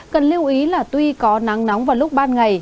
cần lưu ý là tuy có nắng nóng vào lúc ban ngày